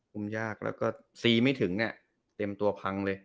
ยากแล้วก็ซีไม่ถึงเนี่ยเต็มตัวพังเลย